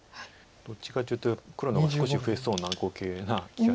どっちかっていうと黒の方が少し増えそうな碁形な気がします。